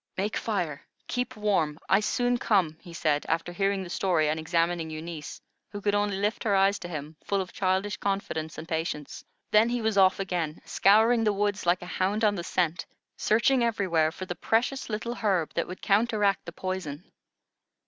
"Make fire. Keep warm. I soon come," he said, after hearing the story and examining Eunice, who could only lift her eyes to him, full of childish confidence and patience. Then he was off again, scouring the woods like a hound on the scent, searching everywhere for the precious little herb that would counteract the poison.